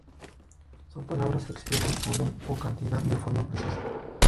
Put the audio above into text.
Son palabras que expresan orden o cantidad de forma precisa.